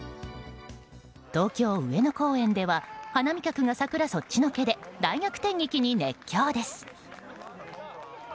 東京・上野公園では花見客が桜そっちのけで大逆転劇に熱狂です。